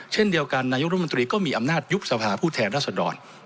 เช่นเดียวกันนายกรมนตรีก็มีอำนาจยุบสภาผู้แทนรัศดร